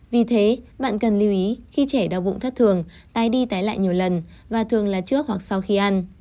vì thế bạn cần lưu ý khi trẻ đau bụng thất thường tái đi tái lại nhiều lần và thường là trước hoặc sau khi ăn